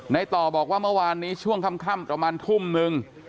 ในต่อบอกว่าเมื่อวานนี้ช่วงค่ำประมาณทุ่มนึง